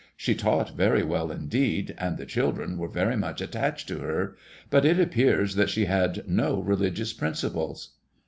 She taught very well indeed, and the children were very much attached to her, but it appears that she had no religious principles."